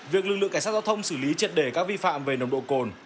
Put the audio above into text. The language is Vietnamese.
việc lực lượng cảnh sát giao thông xử lý triệt đề các vi phạm về nồng độ cồn